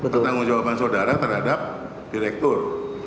pertanggung jawaban saudara terhadap direktur